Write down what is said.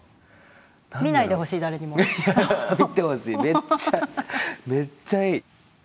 見ないでほしい誰にも。見てほしいめっちゃめっちゃいい。